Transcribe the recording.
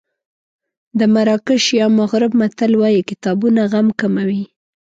د مراکش یا مغرب متل وایي کتابونه غم کموي.